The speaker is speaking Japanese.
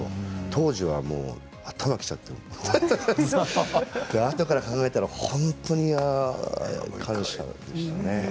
当時は頭にきちゃってあとから考えたら本当に感謝ですね。